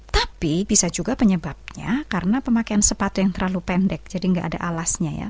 tapi bisa juga penyebabnya karena pemakaian sepatu yang terlalu pendek jadi nggak ada alasnya ya